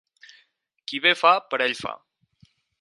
Qui bé fa, per ell fa.